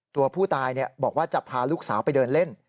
ตัวผู้ตายบอกว่าจะพาลูกสาวไปเดินเล่น